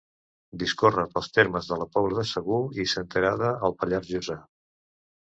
Discorre pels termes de la Pobla de Segur i Senterada, al Pallars Jussà.